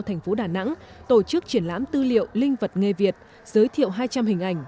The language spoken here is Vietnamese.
thành phố đà nẵng tổ chức triển lãm tư liệu linh vật nghề việt giới thiệu hai trăm linh hình ảnh